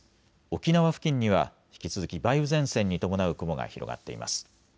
沖縄付近には引き続き梅雨前線に伴う雲が広がっています。